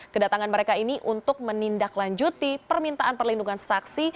kedatangan mereka ini untuk menindaklanjuti permintaan perlindungan saksi